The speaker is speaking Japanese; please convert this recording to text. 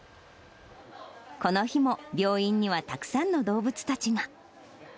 この日も病院にはたくさんの動物たちが。